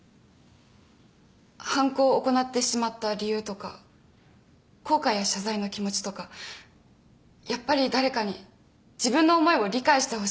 犯行を行ってしまった理由とか後悔や謝罪の気持ちとかやっぱり誰かに自分の思いを理解してほしいと思うはずです。